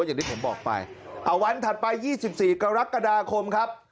อย่างที่ผมบอกไปเอาวันถัดไป๒๔กรกฎาคมครับ